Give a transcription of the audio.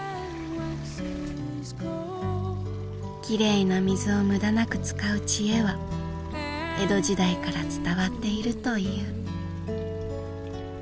きれいな水を無駄なく使う知恵は江戸時代から伝わっているという。